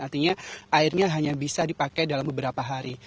artinya airnya hanya bisa dipakai dalam beberapa hari